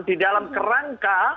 di dalam kerangka